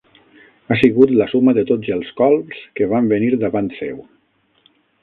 Ha sigut la suma de tots el colps que van venir davant seu.